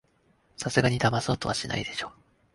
さすがにだまそうとはしないでしょ